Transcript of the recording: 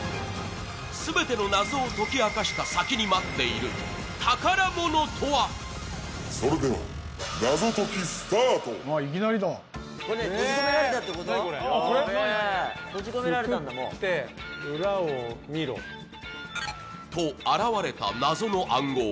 全ての謎を解き明かした先に待っている宝物とは？と、現れた謎の暗号。